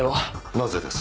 なぜです？